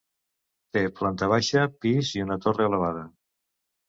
Té planta baixa, pis i una torre elevada.